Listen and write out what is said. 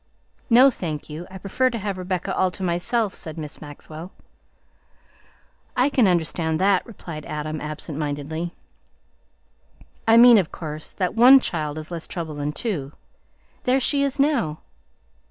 "No, thank you, I prefer to have Rebecca all to myself," said Miss Maxwell. "I can understand that," replied Adam absent mindedly; "I mean, of course, that one child is less trouble than two. There she is now."